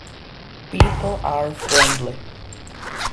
People are friendly.